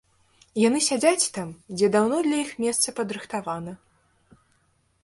Яны сядзяць там, дзе даўно для іх месца падрыхтавана.